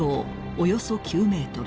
およそ９ｍ］